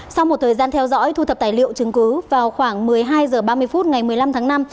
sau một thời gian theo dõi thu thập tài liệu chứng cứ vào khoảng một mươi hai h ba mươi phút ngày một mươi năm tháng năm